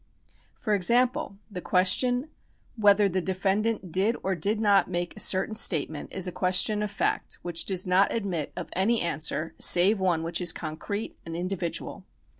§ 67] PRECEDENT 173 For example, the question whether the defendant did or did not make a certain statement is a question of fact, which does not admit of any answer save one which is concrete and individual.